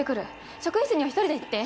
職員室には一人で行って。